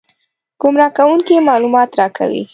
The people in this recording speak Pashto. ګمراه کوونکي معلومات راکوي.